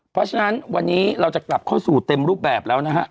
เพราะฉะนั้นวันนี้เราจะกลับเข้าสู่เต็มรูปแบบแล้วนะฮะ